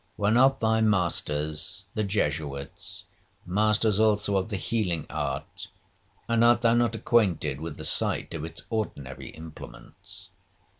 Were not thy masters, the Jesuits, masters also of the healing art, and art thou not acquainted with the sight of its ordinary implements?